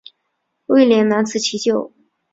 威廉难辞其咎。